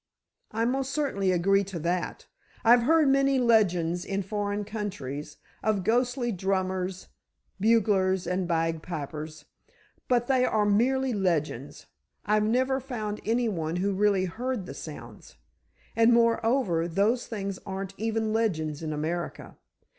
"I most certainly agree to that. I've heard many legends, in foreign countries, of ghostly drummers, buglers and bagpipers, but they are merely legends—I've never found anyone who really heard the sounds. And, moreover, those things aren't even legends in America.